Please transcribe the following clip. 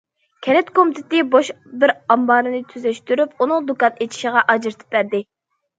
كەنت كومىتېتى بوش بىر ئامبارنى تۈزەشتۈرۈپ، ئۇنىڭ دۇكان ئېچىشىغا ئاجرىتىپ بەردى.